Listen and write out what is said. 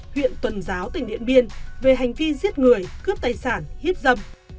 huyện tuần giáo tỉnh điện biên về hành vi giết người cướp tài sản hiếp dâm